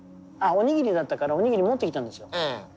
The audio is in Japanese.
あおにぎりだったからおにぎり持ってきたんですよ。